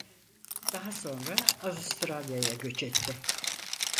Daha sonra Avustralya'ya göç etti.